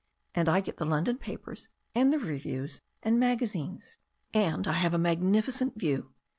And I get the London papers, and the reviews and magazines. And I have a magnificent view.